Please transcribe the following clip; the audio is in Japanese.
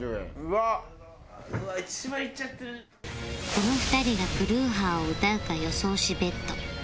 この２人が「プルーハー」を歌うか予想し ＢＥＴ